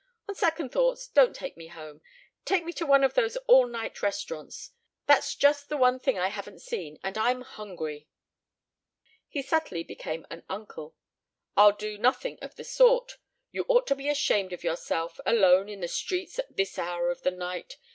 On second thoughts don't take me home. Take me to one of those all night restaurants. That's just the one thing I haven't seen, and I'm hungry." He subtly became an uncle. "I'll do nothing of the sort. You ought to be ashamed of yourself alone in the streets at this hour of the night.